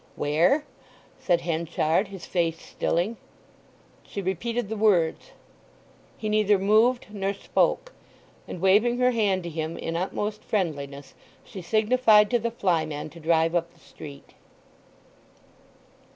"Where?" said Henchard, his face stilling. She repeated the words. He neither moved nor spoke, and waving her hand to him in utmost friendliness she signified to the flyman to drive up the street.